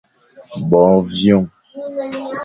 Bo vyoñ.